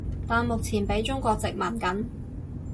但目前畀中國殖民緊